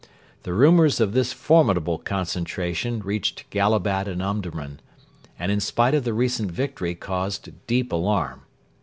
The rumours of this formidable concentration reached Gallabat and Omdurman, and in spite of the recent victory caused deep alarm.